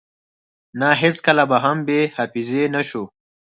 نه هیڅکله به هم بی حافظی نشو